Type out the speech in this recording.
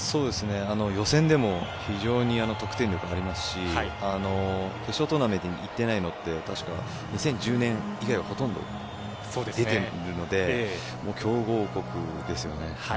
予選でも非常に得点力ありますし決勝トーナメントに行っていないのは確か２０１０年以外はほとんど出ているので強豪国ですよね。